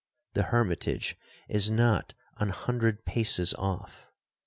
—the hermitage is not an hundred paces off.